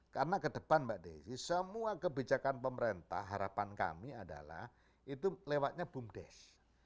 karena kedepan mbak desi semua kebijakan pemerintah harapan kami adalah itu lewatnya boomdes